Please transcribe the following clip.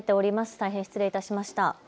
大変失礼いたしました。